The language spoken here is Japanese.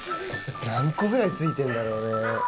何個ぐらいついてんだろうね。